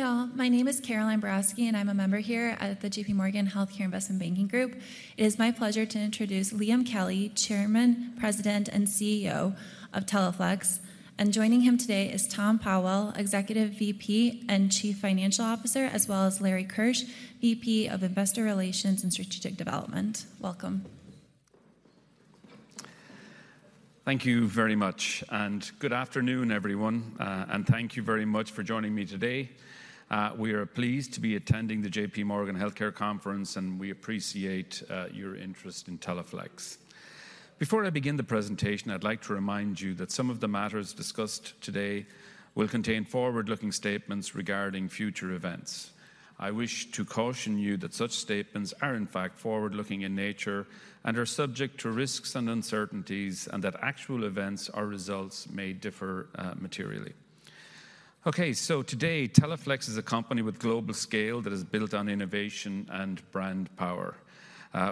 Hi, all. My name is Caroline Borowski, and I'm a member here at the JPMorgan Healthcare Investment Banking Group. It is my pleasure to introduce Liam Kelly, Chairman, President, and CEO of Teleflex. And joining him today is Tom Powell, Executive VP and Chief Financial Officer, as well as Lawrence Keusch, VP of Investor Relations and Strategy Development. Welcome. Thank you very much, and good afternoon, everyone, and thank you very much for joining me today. We are pleased to be attending the JPMorgan Healthcare Conference, and we appreciate your interest in Teleflex. Before I begin the presentation, I'd like to remind you that some of the matters discussed today will contain forward-looking statements regarding future events. I wish to caution you that such statements are, in fact, forward-looking in nature and are subject to risks and uncertainties, and that actual events or results may differ materially. Okay, so today, Teleflex is a company with global scale that is built on innovation and brand power.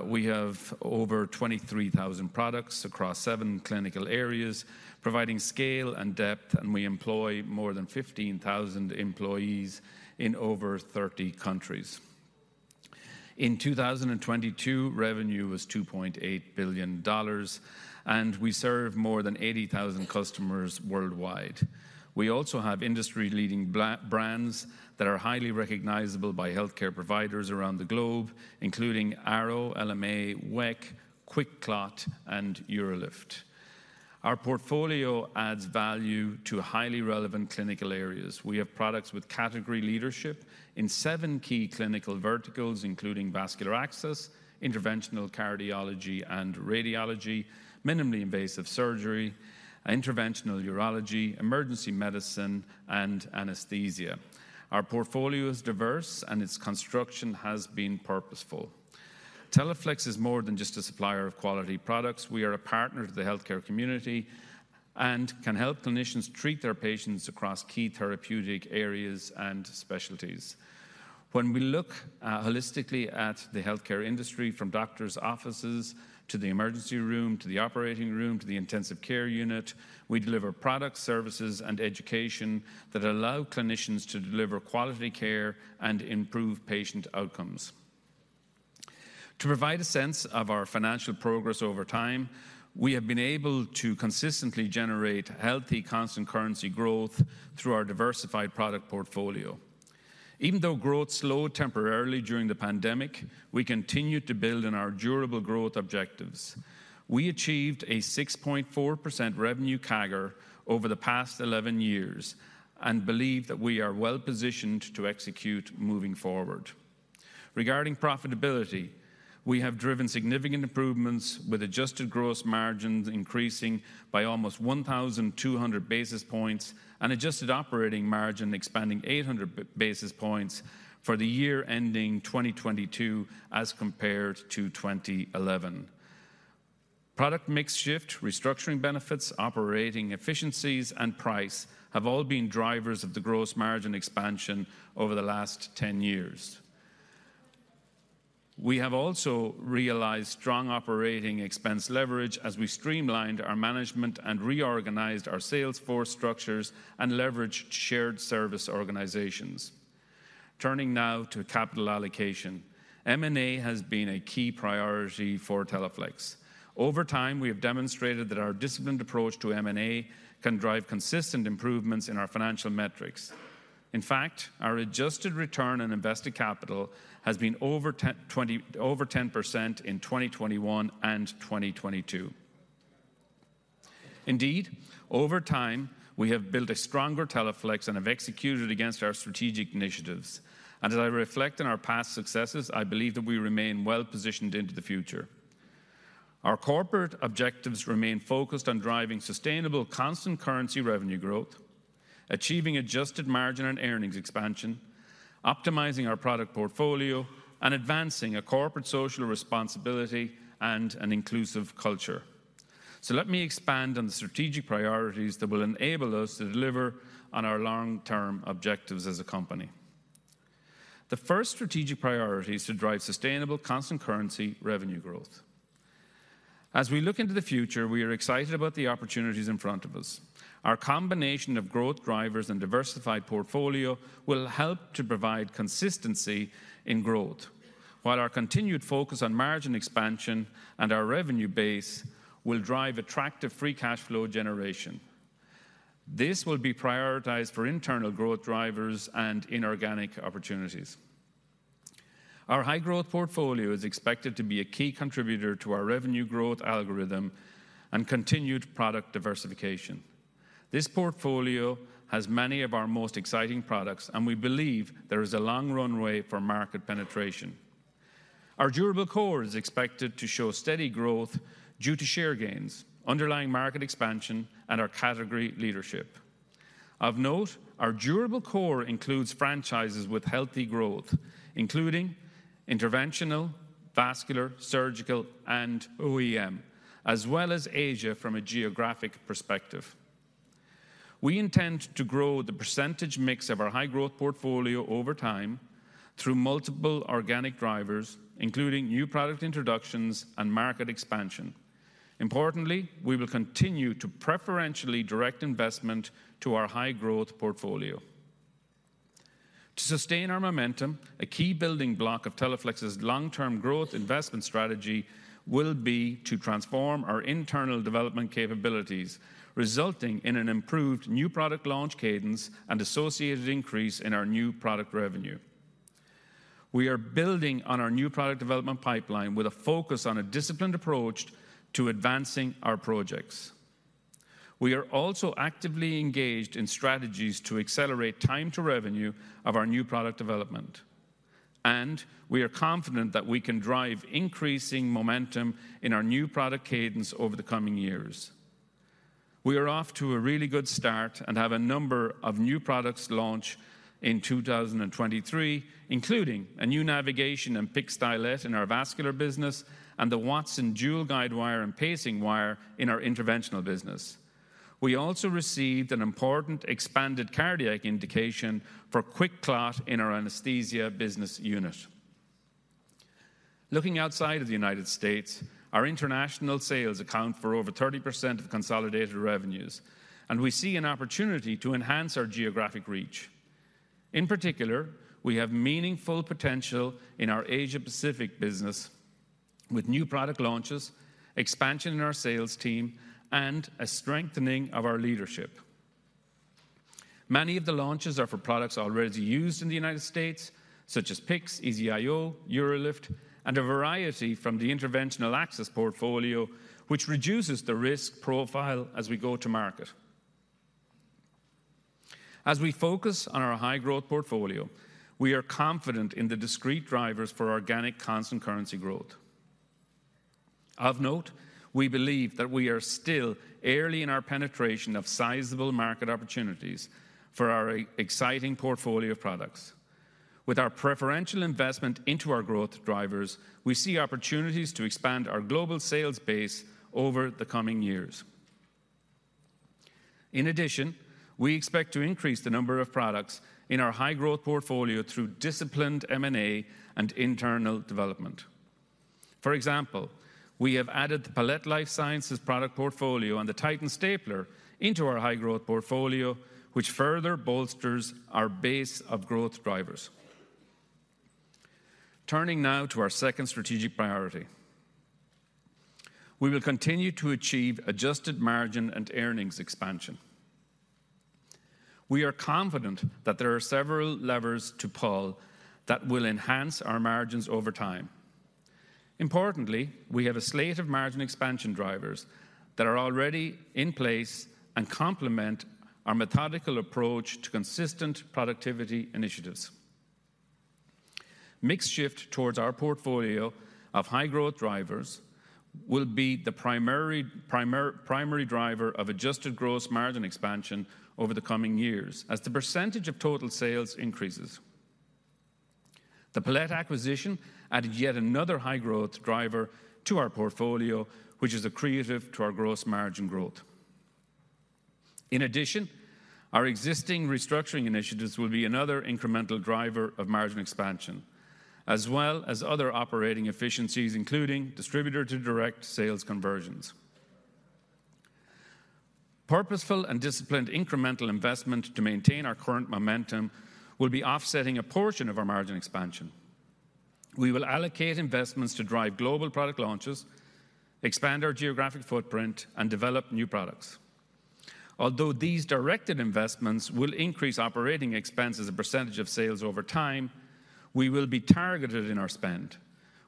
We have over 23,000 products across seven clinical areas, providing scale and depth, and we employ more than 15,000 employees in over 30 countries. In 2022, revenue was $2.8 billion, and we serve more than 80,000 customers worldwide. We also have industry-leading brands that are highly recognizable by healthcare providers around the globe, including Arrow, LMA, Weck, QuikClot, and UroLift. Our portfolio adds value to highly relevant clinical areas. We have products with category leadership in seven key clinical verticals, including vascular access, interventional cardiology and radiology, minimally invasive surgery, interventional urology, emergency medicine, and anesthesia. Our portfolio is diverse, and its construction has been purposeful. Teleflex is more than just a supplier of quality products. We are a partner to the healthcare community and can help clinicians treat their patients across key therapeutic areas and specialties. When we look, holistically at the healthcare industry, from doctors' offices to the emergency room, to the operating room, to the intensive care unit, we deliver products, services, and education that allow clinicians to deliver quality care and improve patient outcomes. To provide a sense of our financial progress over time, we have been able to consistently generate healthy constant currency growth through our diversified product portfolio. Even though growth slowed temporarily during the pandemic, we continued to build on our durable growth objectives. We achieved a 6.4% revenue CAGR over the past 11 years and believe that we are well positioned to execute moving forward. Regarding profitability, we have driven significant improvements, with adjusted gross margins increasing by almost 1,200 basis points and adjusted operating margin expanding 800 basis points for the year ending 2022 as compared to 2011. Product mix shift, restructuring benefits, operating efficiencies, and price have all been drivers of the gross margin expansion over the last 10 years. We have also realized strong operating expense leverage as we streamlined our management and reorganized our salesforce structures and leveraged shared service organizations. Turning now to capital allocation. M&A has been a key priority for Teleflex. Over time, we have demonstrated that our disciplined approach to M&A can drive consistent improvements in our financial metrics. In fact, our adjusted return on invested capital has been over 10% in 2021 and 2022. Indeed, over time, we have built a stronger Teleflex and have executed against our strategic initiatives. As I reflect on our past successes, I believe that we remain well positioned into the future. Our corporate objectives remain focused on driving sustainable constant currency revenue growth, achieving adjusted margin and earnings expansion, optimizing our product portfolio, and advancing a corporate social responsibility and an inclusive culture. Let me expand on the strategic priorities that will enable us to deliver on our long-term objectives as a company. The first strategic priority is to drive sustainable constant currency revenue growth. As we look into the future, we are excited about the opportunities in front of us. Our combination of growth drivers and diversified portfolio will help to provide consistency in growth, while our continued focus on margin expansion and our revenue base will drive attractive free cash flow generation. This will be prioritized for internal growth drivers and inorganic opportunities. Our high-growth portfolio is expected to be a key contributor to our revenue growth algorithm and continued product diversification. This portfolio has many of our most exciting products, and we believe there is a long runway for market penetration. Our durable core is expected to show steady growth due to share gains, underlying market expansion, and our category leadership. Of note, our durable core includes franchises with healthy growth, including interventional, vascular, surgical, and OEM, as well as Asia from a geographic perspective. We intend to grow the percentage mix of our high-growth portfolio over time through multiple organic drivers, including new product introductions and market expansion.... Importantly, we will continue to preferentially direct investment to our high-growth portfolio. To sustain our momentum, a key building block of Teleflex's long-term growth investment strategy will be to transform our internal development capabilities, resulting in an improved new product launch cadence and associated increase in our new product revenue. We are building on our new product development pipeline with a focus on a disciplined approach to advancing our projects. We are also actively engaged in strategies to accelerate time to revenue of our new product development, and we are confident that we can drive increasing momentum in our new product cadence over the coming years. We are off to a really good start and have a number of new products launched in 2023, including a new navigation and PICC stylet in our Vascular business, and the Wattson dual guide wire and pacing wire in our Interventional business. We also received an important expanded cardiac indication for QuikClot in our Anesthesia business unit. Looking outside of the United States, our international sales account for over 30% of consolidated revenues, and we see an opportunity to enhance our geographic reach. In particular, we have meaningful potential in our Asia-Pacific business with new product launches, expansion in our sales team, and a strengthening of our leadership. Many of the launches are for products already used in the United States, such as PICC, EZ-IO, UroLift, and a variety from the interventional access portfolio, which reduces the risk profile as we go to market. As we focus on our high-growth portfolio, we are confident in the discrete drivers for organic constant currency growth. Of note, we believe that we are still early in our penetration of sizable market opportunities for our exciting portfolio of products. With our preferential investment into our growth drivers, we see opportunities to expand our global sales base over the coming years. In addition, we expect to increase the number of products in our high-growth portfolio through disciplined M&A and internal development. For example, we have added the Palette Life Sciences product portfolio and the Titan stapler into our high-growth portfolio, which further bolsters our base of growth drivers. Turning now to our second strategic priority. We will continue to achieve adjusted margin and earnings expansion. We are confident that there are several levers to pull that will enhance our margins over time. Importantly, we have a slate of margin expansion drivers that are already in place and complement our methodical approach to consistent productivity initiatives. Mix shift towards our portfolio of high-growth drivers will be the primary driver of adjusted gross margin expansion over the coming years as the percentage of total sales increases. The Palette acquisition added yet another high-growth driver to our portfolio, which is accretive to our gross margin growth. In addition, our existing restructuring initiatives will be another incremental driver of margin expansion, as well as other operating efficiencies, including distributor-to-direct sales conversions. Purposeful and disciplined incremental investment to maintain our current momentum will be offsetting a portion of our margin expansion. We will allocate investments to drive global product launches, expand our geographic footprint, and develop new products. Although these directed investments will increase operating expense as a percentage of sales over time, we will be targeted in our spend.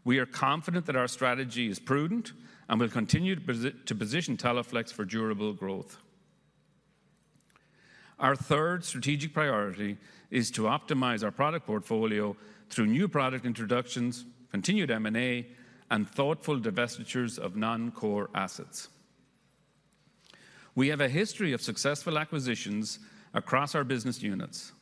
We are confident that our strategy is prudent and will continue to position Teleflex for durable growth. Our third strategic priority is to optimize our product portfolio through new product introductions, continued M&A, and thoughtful divestitures of non-core assets. We have a history of successful acquisitions across our business units.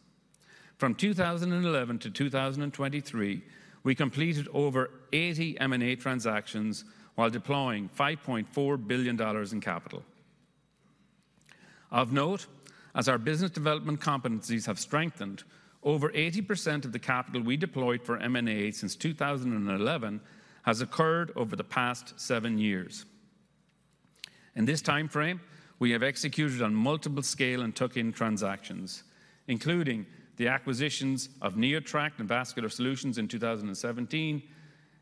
From 2011 to 2023, we completed over 80 M&A transactions while deploying $5.4 billion in capital. Of note, as our business development competencies have strengthened, over 80% of the capital we deployed for M&A since 2011 has occurred over the past seven years. In this time frame, we have executed on multiple scale and tuck-in transactions, including the acquisitions of NeoTract and Vascular Solutions in 2017,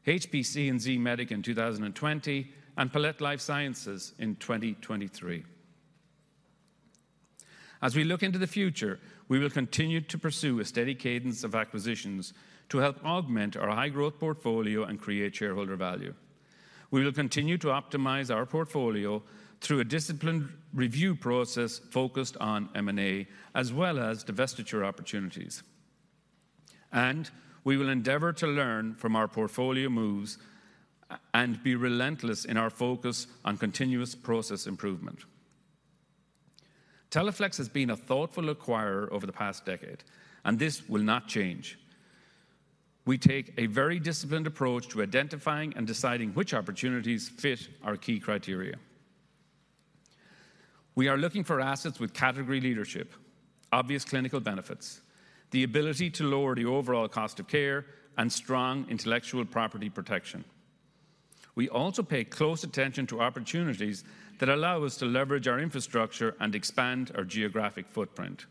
HPC and Z-Medica in 2020, and Palette Life Sciences in 2023. As we look into the future, we will continue to pursue a steady cadence of acquisitions to help augment our high-growth portfolio and create shareholder value. We will continue to optimize our portfolio through a disciplined review process focused on M&A as well as divestiture opportunities, and we will endeavor to learn from our portfolio moves and be relentless in our focus on continuous process improvement. Teleflex has been a thoughtful acquirer over the past decade, and this will not change. We take a very disciplined approach to identifying and deciding which opportunities fit our key criteria. We are looking for assets with category leadership, obvious clinical benefits, the ability to lower the overall cost of care, and strong intellectual property protection. We also pay close attention to opportunities that allow us to leverage our infrastructure and expand our geographic footprint.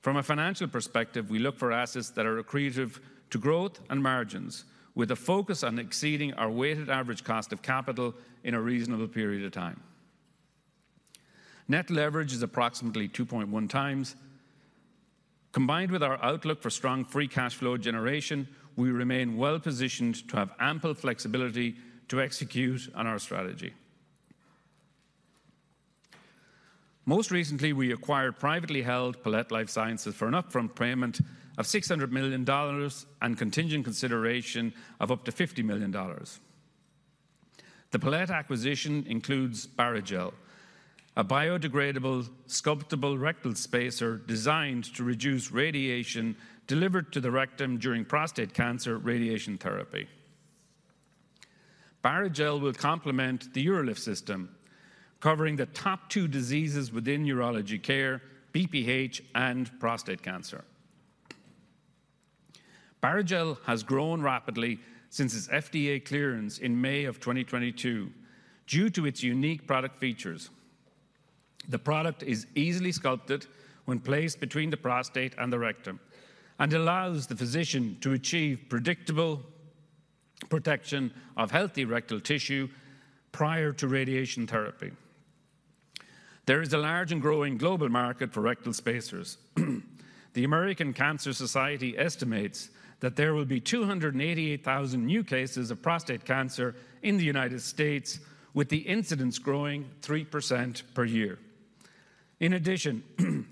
From a financial perspective, we look for assets that are accretive to growth and margins, with a focus on exceeding our weighted average cost of capital in a reasonable period of time. Net leverage is approximately 2.1x. Combined with our outlook for strong free cash flow generation, we remain well-positioned to have ample flexibility to execute on our strategy. Most recently, we acquired privately held Palette Life Sciences for an upfront payment of $600 million and contingent consideration of up to $50 million. The Palette acquisition includes Barrigel, a biodegradable, sculptable rectal spacer designed to reduce radiation delivered to the rectum during prostate cancer radiation therapy. Barrigel will complement the UroLift system, covering the top two diseases within urology care, BPH and prostate cancer. Barrigel has grown rapidly since its FDA clearance in May of 2022, due to its unique product features. The product is easily sculpted when placed between the prostate and the rectum, and allows the physician to achieve predictable protection of healthy rectal tissue prior to radiation therapy. There is a large and growing global market for rectal spacers. The American Cancer Society estimates that there will be 288,000 new cases of prostate cancer in the United States, with the incidence growing 3% per year. In addition,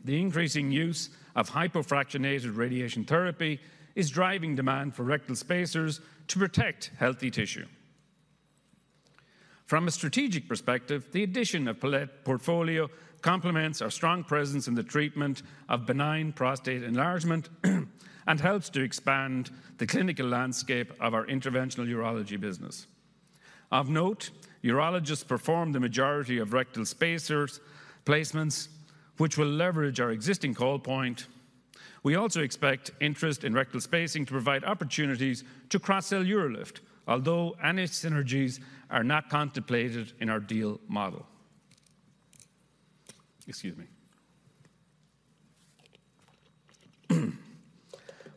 the increasing use of hypofractionated radiation therapy is driving demand for rectal spacers to protect healthy tissue. From a strategic perspective, the addition of Palette portfolio complements our strong presence in the treatment of benign prostate enlargement and helps to expand the clinical landscape of our interventional urology business. Of note, urologists perform the majority of rectal spacers placements, which will leverage our existing call point. We also expect interest in rectal spacing to provide opportunities to cross-sell UroLift, although any synergies are not contemplated in our deal model. Excuse me.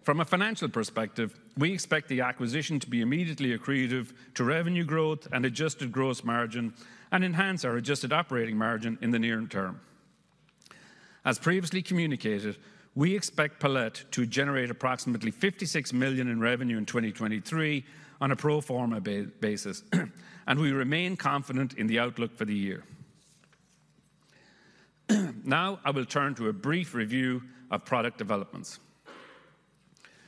From a financial perspective, we expect the acquisition to be immediately accretive to revenue growth and adjusted gross margin and enhance our adjusted operating margin in the near term. As previously communicated, we expect Palette to generate approximately $56 million in revenue in 2023 on a pro forma basis, and we remain confident in the outlook for the year. Now, I will turn to a brief review of product developments.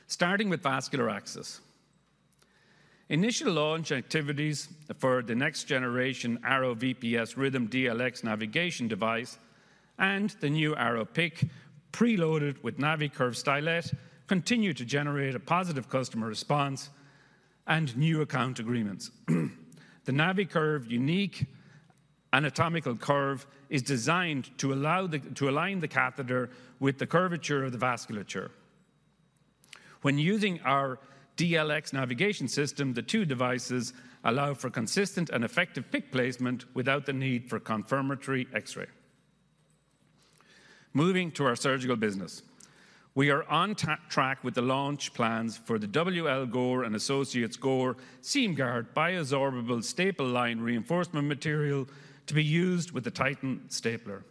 Starting with Vascular Access. Initial launch activities for the next generation Arrow VPS Rhythm DLX navigation device and the new Arrow PICC, preloaded with NaviCurve stylet, continue to generate a positive customer response and new account agreements. The NaviCurve unique anatomical curve is designed to allow the catheter to align with the curvature of the vasculature. When using our DLX navigation system, the two devices allow for consistent and effective PICC placement without the need for confirmatory X-ray. Moving to our surgical business. We are on track with the launch plans for the W.L. Gore and Associates Gore SeamGuard bioabsorbable staple line reinforcement material to be used with the Titan stapler.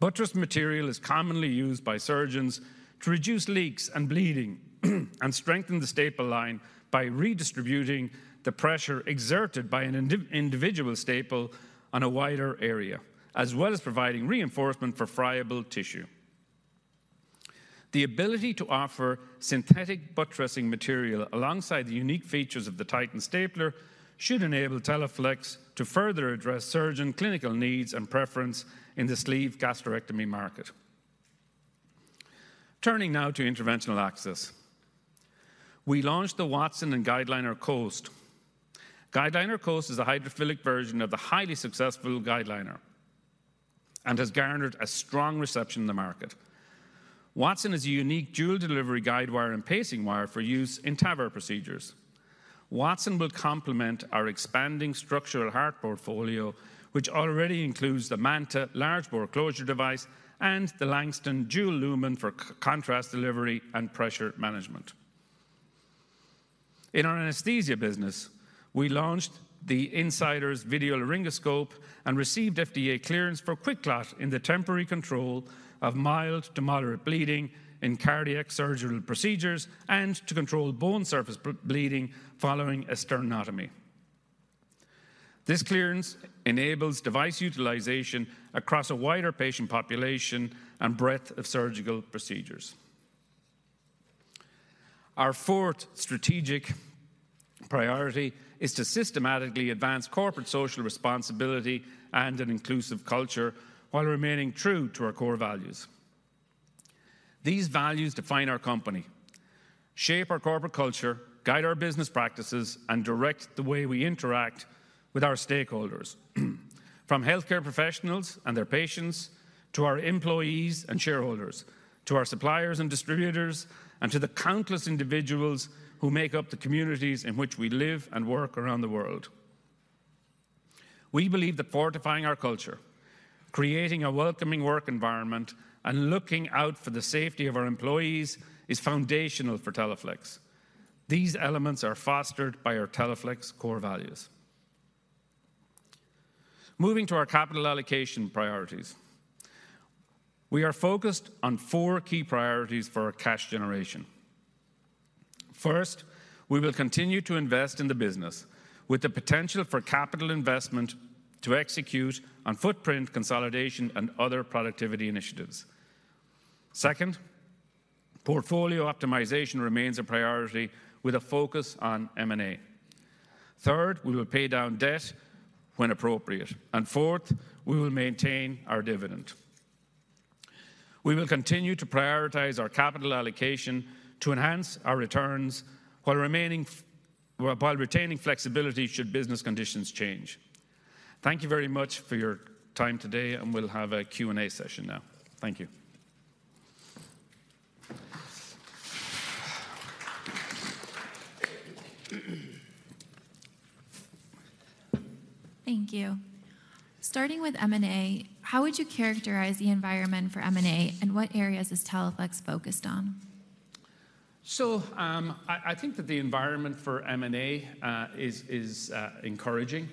Buttress material is commonly used by surgeons to reduce leaks and bleeding, and strengthen the staple line by redistributing the pressure exerted by an individual staple on a wider area, as well as providing reinforcement for friable tissue. The ability to offer synthetic buttressing material alongside the unique features of the Titan stapler should enable Teleflex to further address surgeon clinical needs and preference in the sleeve gastrectomy market. Turning now to Interventional Access. We launched the Watson and GuideLiner Coast. GuideLiner Coast is a hydrophilic version of the highly successful GuideLiner and has garnered a strong reception in the market. Wattson is a unique dual delivery guide wire and pacing wire for use in TAVR procedures. Watson will complement our expanding structural heart portfolio, which already includes the MANTA large bore closure device and the Langston dual lumen for contrast delivery and pressure management. In our anesthesia business, we launched the Insighters video laryngoscope and received FDA clearance for QuikClot in the temporary control of mild to moderate bleeding in cardiac surgical procedures, and to control bone surface bleeding following a sternotomy. This clearance enables device utilization across a wider patient population and breadth of surgical procedures. Our fourth strategic priority is to systematically advance corporate social responsibility and an inclusive culture while remaining true to our core values.... These values define our company, shape our corporate culture, guide our business practices, and direct the way we interact with our stakeholders. From healthcare professionals and their patients, to our employees and shareholders, to our suppliers and distributors, and to the countless individuals who make up the communities in which we live and work around the world. We believe that fortifying our culture, creating a welcoming work environment, and looking out for the safety of our employees is foundational for Teleflex. These elements are fostered by our Teleflex core values. Moving to our capital allocation priorities. We are focused on four key priorities for our cash generation. First, we will continue to invest in the business, with the potential for capital investment to execute on footprint consolidation and other productivity initiatives. Second, portfolio optimization remains a priority with a focus on M&A. Third, we will pay down debt when appropriate. And fourth, we will maintain our dividend. We will continue to prioritize our capital allocation to enhance our returns while retaining flexibility, should business conditions change. Thank you very much for your time today, and we'll have a Q&A session now. Thank you. Thank you. Starting with M&A, how would you characterize the environment for M&A, and what areas is Teleflex focused on? So, I think that the environment for M&A is encouraging.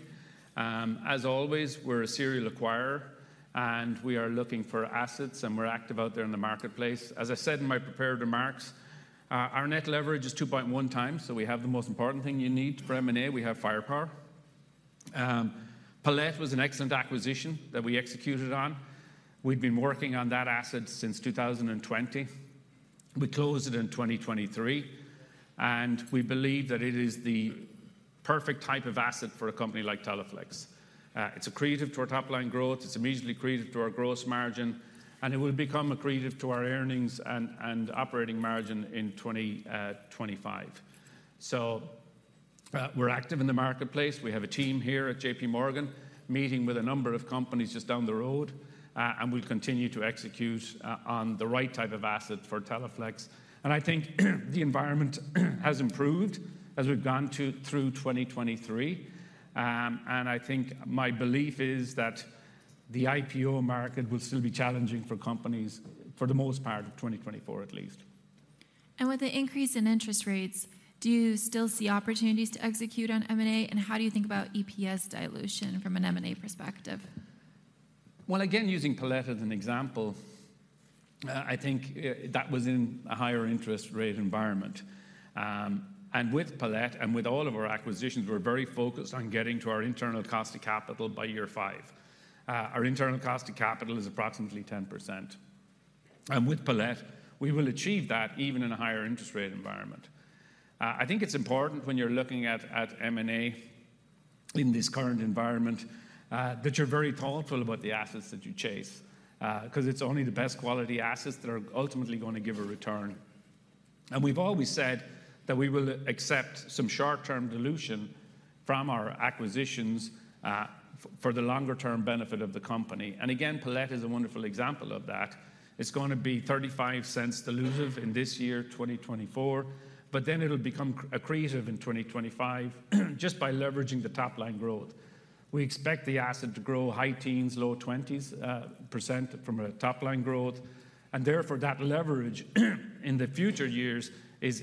As always, we're a serial acquirer, and we are looking for assets, and we're active out there in the marketplace. As I said in my prepared remarks, our net leverage is 2.1x, so we have the most important thing you need for M&A. We have firepower. Palette was an excellent acquisition that we executed on. We'd been working on that asset since 2020. We closed it in 2023, and we believe that it is the perfect type of asset for a company like Teleflex. It's accretive to our top-line growth, it's immediately accretive to our gross margin, and it will become accretive to our earnings and operating margin in 2025. So, we're active in the marketplace. We have a team here at JPMorgan, meeting with a number of companies just down the road. And we'll continue to execute on the right type of asset for Teleflex. And I think the environment has improved as we've gone through 2023. And I think my belief is that the IPO market will still be challenging for companies, for the most part of 2024, at least. With the increase in interest rates, do you still see opportunities to execute on M&A? And how do you think about EPS dilution from an M&A perspective? Well, again, using Palette as an example, I think that was in a higher interest rate environment. And with Palette and with all of our acquisitions, we're very focused on getting to our internal cost of capital by year five. Our internal cost of capital is approximately 10%. And with Palette, we will achieve that even in a higher interest rate environment. I think it's important when you're looking at, at M&A in this current environment, that you're very thoughtful about the assets that you chase, 'cause it's only the best quality assets that are ultimately gonna give a return. And we've always said that we will accept some short-term dilution from our acquisitions, for the longer-term benefit of the company. And again, Palette is a wonderful example of that. It's going to be $0.35 dilutive in this year, 2024, but then it'll become accretive in 2025, just by leveraging the top-line growth. We expect the asset to grow high teens-low twenties% from a top-line growth, and therefore, that leverage, in the future years is,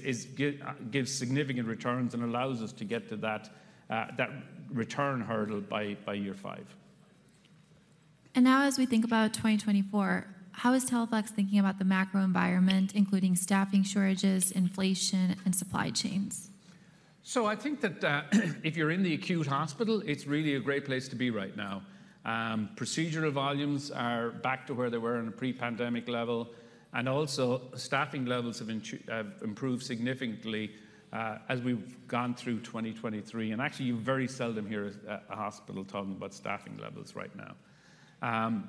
gives significant returns and allows us to get to that, that return hurdle by, year five. Now as we think about 2024, how is Teleflex thinking about the macro environment, including staffing shortages, inflation, and supply chains? So I think that, if you're in the acute hospital, it's really a great place to be right now. Procedural volumes are back to where they were on a pre-pandemic level, and also staffing levels have improved significantly, as we've gone through 2023. And actually, you very seldom hear a hospital talking about staffing levels right now.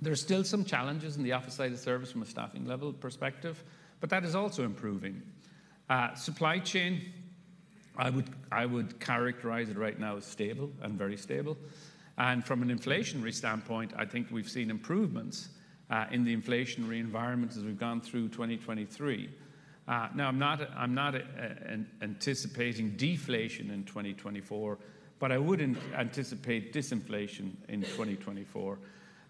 There are still some challenges in the office side of the service from a staffing level perspective, but that is also improving. Supply chain, I would, I would characterize it right now as stable and very stable. And from an inflationary standpoint, I think we've seen improvements, in the inflationary environment as we've gone through 2023. Now, I'm not, I'm not anticipating deflation in 2024, but I would anticipate disinflation in 2024.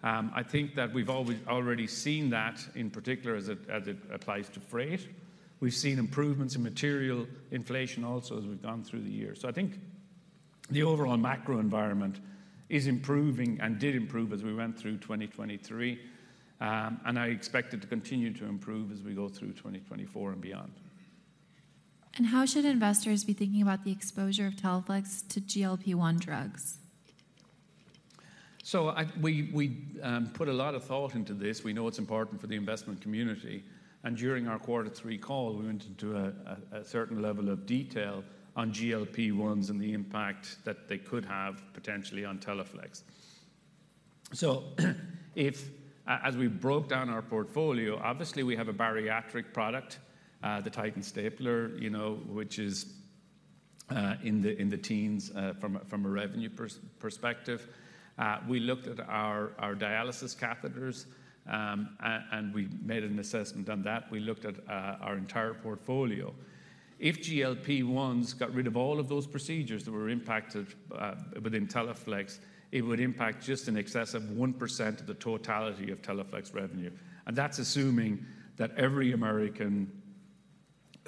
I think that we've already seen that, in particular, as it applies to freight. We've seen improvements in material inflation also as we've gone through the year. So I think the overall macro environment is improving and did improve as we went through 2023, and I expect it to continue to improve as we go through 2024 and beyond. How should investors be thinking about the exposure of Teleflex to GLP-1 drugs? So we, we put a lot of thought into this. We know it's important for the investment community, and during our Quarter Three call, we went into a certain level of detail on GLP-1s and the impact that they could have potentially on Teleflex. So, as we broke down our portfolio, obviously we have a bariatric product, the Titan stapler, you know, which is in the teens from a revenue perspective. We looked at our dialysis catheters and we made an assessment on that. We looked at our entire portfolio. If GLP-1s got rid of all of those procedures that were impacted within Teleflex, it would impact just in excess of 1% of the totality of Teleflex revenue, and that's assuming that every American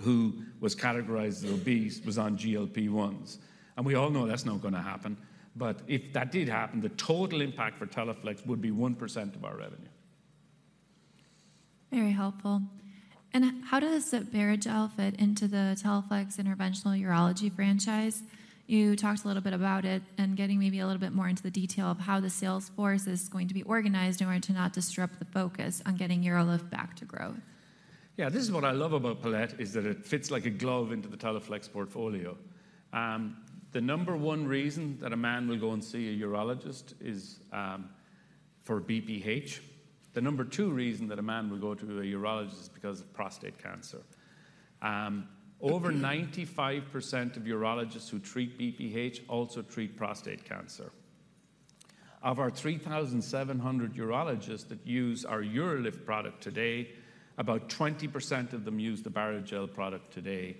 who was categorized obese was on GLP-1s. We all know that's not gonna happen, but if that did happen, the total impact for Teleflex would be 1% of our revenue. Very helpful. How does Barrigel fit into the Teleflex Interventional Urology franchise? You talked a little bit about it, and getting maybe a little bit more into the detail of how the sales force is going to be organized in order to not disrupt the focus on getting UroLift back to growth. Yeah, this is what I love about Palette, is that it fits like a glove into the Teleflex portfolio. The number one reason that a man will go and see a urologist is for BPH. The number two reason that a man will go to a urologist is because of prostate cancer. Over 95% of urologists who treat BPH also treat prostate cancer. Of our 3,700 urologists that use our UroLift product today, about 20% of them use the Barrigel product today.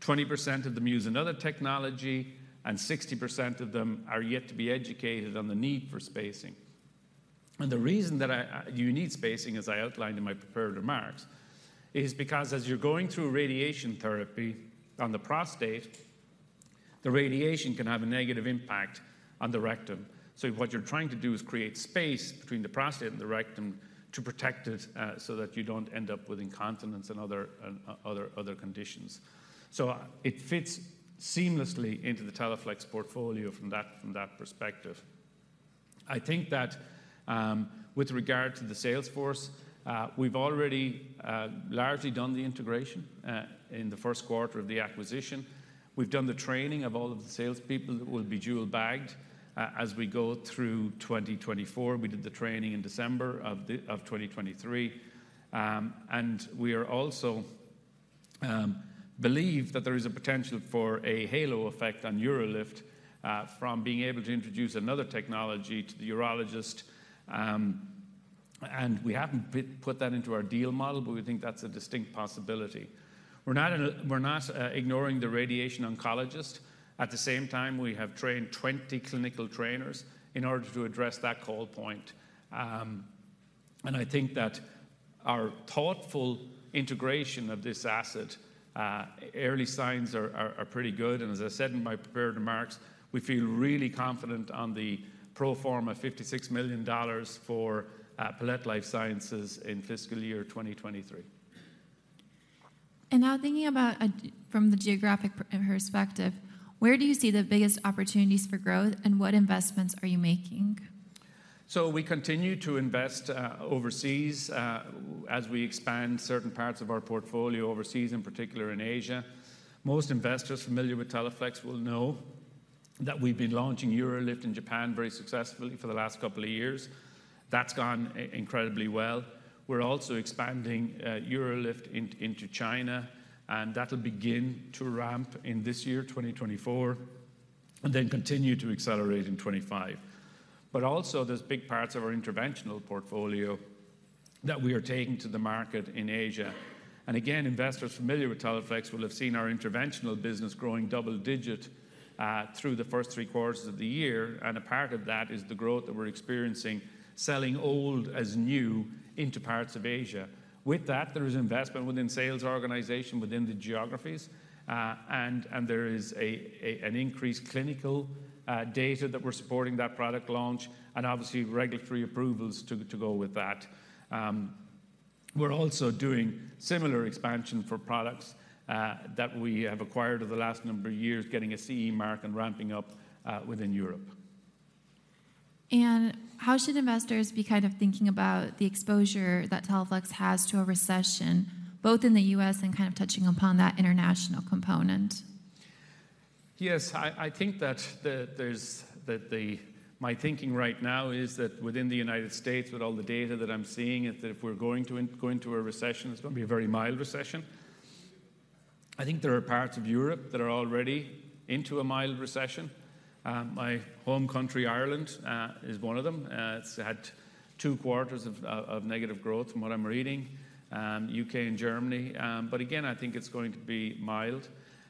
20% of them use another technology, and 60% of them are yet to be educated on the need for spacing. The reason that I you need spacing, as I outlined in my prepared remarks, is because as you're going through radiation therapy on the prostate, the radiation can have a negative impact on the rectum. So what you're trying to do is create space between the prostate and the rectum to protect it, so that you don't end up with incontinence and other, and other conditions. So it fits seamlessly into the Teleflex portfolio from that, from that perspective. I think that, with regard to the sales force, we've already largely done the integration in the first quarter of the acquisition. We've done the training of all of the salespeople that will be dual bagged as we go through 2024. We did the training in December of 2023. And we also believe that there is a potential for a halo effect on UroLift from being able to introduce another technology to the urologist, and we haven't put that into our deal model, but we think that's a distinct possibility. We're not ignoring the radiation oncologist. At the same time, we have trained 20 clinical trainers in order to address that call point. And I think that our thoughtful integration of this asset, early signs are pretty good, and as I said in my prepared remarks, we feel really confident on the pro forma $56 million for Palette Life Sciences in fiscal year 2023. Now thinking about, from the geographic perspective, where do you see the biggest opportunities for growth, and what investments are you making? So we continue to invest overseas, as we expand certain parts of our portfolio overseas, in particular in Asia. Most investors familiar with Teleflex will know that we've been launching UroLift in Japan very successfully for the last couple of years. That's gone incredibly well. We're also expanding UroLift into China, and that'll begin to ramp in this year, 2024, and then continue to accelerate in 2025. But also, there's big parts of our interventional portfolio that we are taking to the market in Asia. And again, investors familiar with Teleflex will have seen our interventional business growing double-digit through the first three quarters of the year, and a part of that is the growth that we're experiencing selling old as new into parts of Asia. With that, there is investment within sales organization, within the geographies, and there is an increased clinical data that we're supporting that product launch, and obviously regulatory approvals to go with that. We're also doing similar expansion for products that we have acquired over the last number of years, getting a CE Mark and ramping up within Europe. How should investors be kind of thinking about the exposure that Teleflex has to a recession, both in the U.S. and kind of touching upon that international component? Yes, I think that. My thinking right now is that within the United States, with all the data that I'm seeing, is that if we're going to go into a recession, it's going to be a very mild recession. I think there are parts of Europe that are already into a mild recession. My home country, Ireland, is one of them. It's had two quarters of negative growth from what I'm reading, U.K. and Germany, but again, I think it's going to be mild.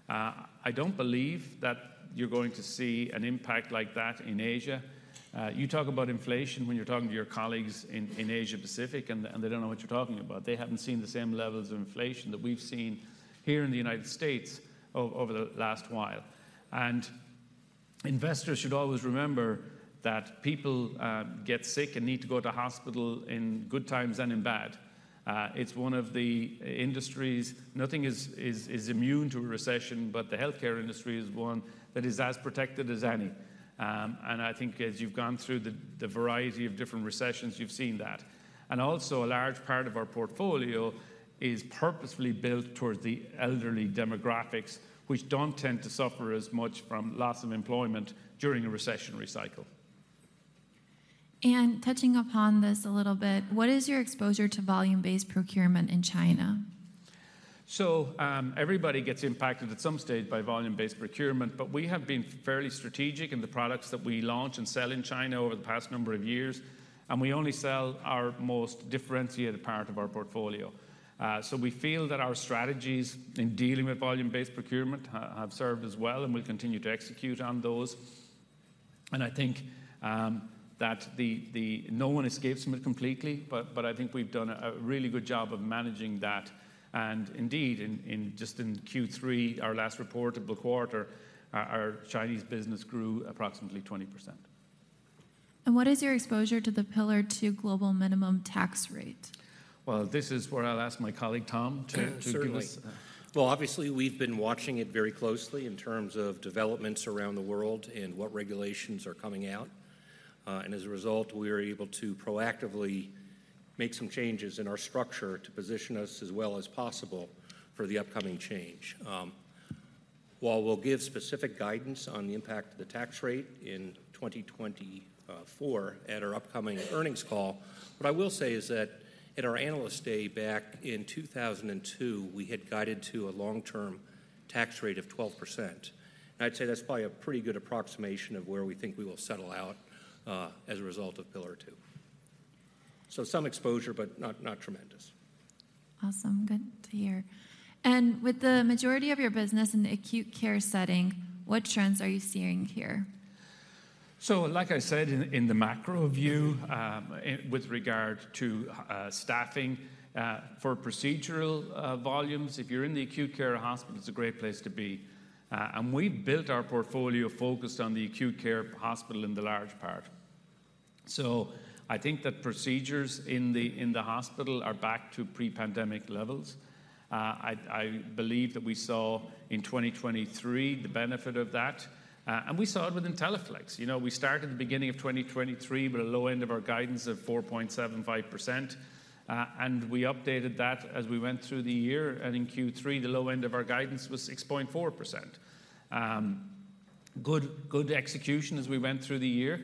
I don't believe that you're going to see an impact like that in Asia. You talk about inflation when you're talking to your colleagues in Asia Pacific, and they don't know what you're talking about. They haven't seen the same levels of inflation that we've seen here in the United States over the last while. Investors should always remember that people get sick and need to go to hospital in good times and in bad. It's one of the industries. Nothing is immune to a recession, but the healthcare industry is one that is as protected as any. And I think as you've gone through the variety of different recessions, you've seen that. And also, a large part of our portfolio is purposefully built towards the elderly demographics, which don't tend to suffer as much from loss of employment during a recessionary cycle. ...touching upon this a little bit, what is your exposure to volume-based procurement in China? So, everybody gets impacted at some stage by Volume-Based Procurement, but we have been fairly strategic in the products that we launch and sell in China over the past number of years, and we only sell our most differentiated part of our portfolio. So we feel that our strategies in dealing with Volume-Based Procurement have served us well, and we'll continue to execute on those. And I think that no one escapes from it completely, but I think we've done a really good job of managing that. And indeed, in just Q3, our last reportable quarter, our Chinese business grew approximately 20%. What is your exposure to the Pillar 2 global minimum tax rate? Well, this is where I'll ask my colleague, Tom, to give us- Sure. Certainly. Well, obviously, we've been watching it very closely in terms of developments around the world and what regulations are coming out. And as a result, we are able to proactively make some changes in our structure to position us as well as possible for the upcoming change. While we'll give specific guidance on the impact of the tax rate in 2024 at our upcoming earnings call, what I will say is that in our Analyst Day back in 2002, we had guided to a long-term tax rate of 12%. And I'd say that's probably a pretty good approximation of where we think we will settle out, as a result of Pillar 2. So some exposure, but not, not tremendous. Awesome. Good to hear. And with the majority of your business in the acute care setting, what trends are you seeing here? So like I said, in the macro view, in with regard to staffing for procedural volumes, if you're in the acute care hospital, it's a great place to be. And we've built our portfolio focused on the acute care hospital in the large part. So I think that procedures in the hospital are back to pre-pandemic levels. I believe that we saw in 2023 the benefit of that, and we saw it within Teleflex. You know, we started the beginning of 2023 with a low end of our guidance of 4.75%, and we updated that as we went through the year. And in Q3, the low end of our guidance was 6.4%. Good execution as we went through the year.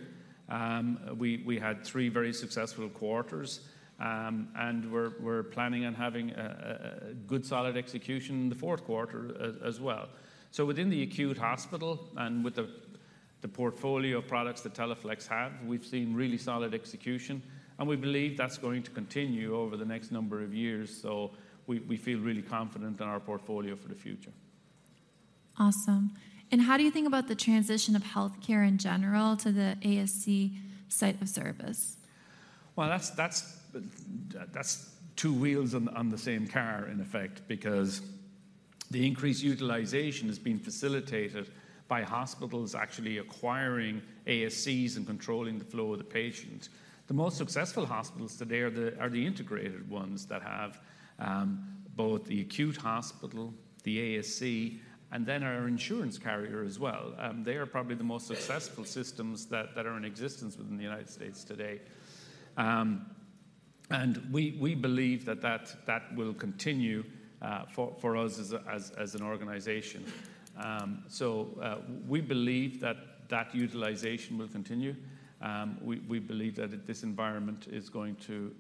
We had three very successful quarters, and we're planning on having a good solid execution in the fourth quarter as well. So within the acute hospital and with the portfolio of products that Teleflex have, we've seen really solid execution, and we believe that's going to continue over the next number of years. So we feel really confident in our portfolio for the future. Awesome. How do you think about the transition of healthcare in general to the ASC site of service? Well, that's two wheels on the same car, in effect, because the increased utilization is being facilitated by hospitals actually acquiring ASCs and controlling the flow of the patients. The most successful hospitals today are the integrated ones that have both the acute hospital, the ASC, and then are an insurance carrier as well. They are probably the most successful systems that are in existence within the United States today. And we believe that will continue for us as an organization. So, we believe that utilization will continue. We believe that this environment is going to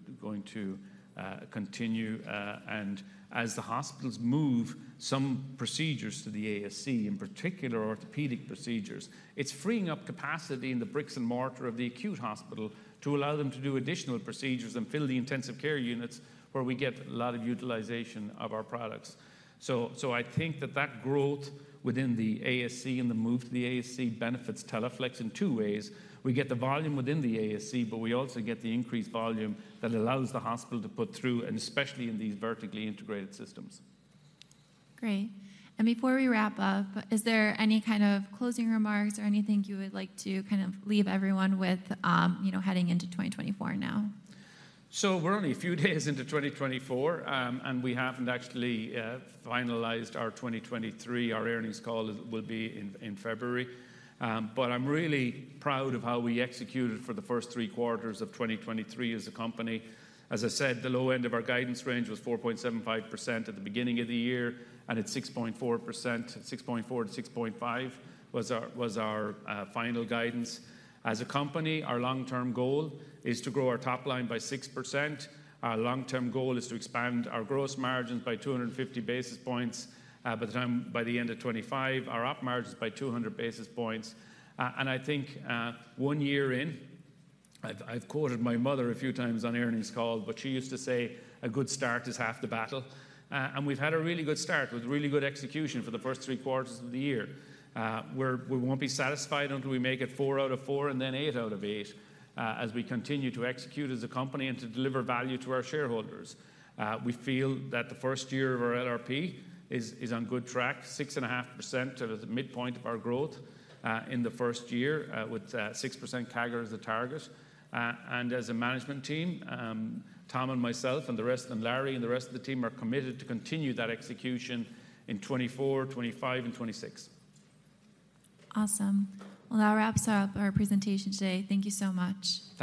continue. And as the hospitals move some procedures to the ASC, in particular orthopedic procedures, it's freeing up capacity in the bricks and mortar of the acute hospital to allow them to do additional procedures and fill the intensive care units, where we get a lot of utilization of our products. So, I think that growth within the ASC and the move to the ASC benefits Teleflex in two ways: We get the volume within the ASC, but we also get the increased volume that allows the hospital to put through, and especially in these vertically integrated systems. Great. And before we wrap up, is there any kind of closing remarks or anything you would like to kind of leave everyone with, you know, heading into 2024 now? So we're only a few days into 2024, and we haven't actually finalized our 2023. Our earnings call will be in, in February. But I'm really proud of how we executed for the first three quarters of 2023 as a company. As I said, the low end of our guidance range was 4.75% at the beginning of the year, and at 6.4%-6.5% was our final guidance. As a company, our long-term goal is to grow our top line by 6%. Our long-term goal is to expand our gross margins by 250 basis points by the end of 2025, our op margins by 200 basis points. And I think, one year in, I've quoted my mother a few times on earnings call, but she used to say, "A good start is half the battle." And we've had a really good start with really good execution for the first three quarters of the year. We're—we won't be satisfied until we make it four out of four and then eight out of eight, as we continue to execute as a company and to deliver value to our shareholders. We feel that the first year of our LRP is on good track, 6.5% at the midpoint of our growth, in the first year, with 6% CAGR as the target. As a management team, Tom and myself and the rest, and Larry and the rest of the team are committed to continue that execution in 2024, 2025, and 2026. Awesome. Well, that wraps up our presentation today. Thank you so much.